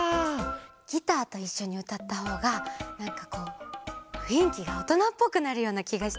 ギターといっしょにうたったほうがなんかこうふんいきがおとなっぽくなるようなきがして。